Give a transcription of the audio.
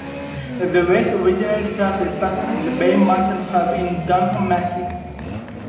The race originally started past the Bay Malton pub in Dunham Massey.